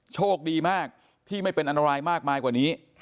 โชคดีมากที่ไม่เป็นอันตรายมากมายกว่านี้